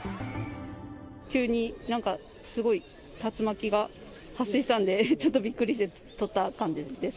急になんかすごい竜巻が発生したんで、ちょっとびっくりして撮った感じです。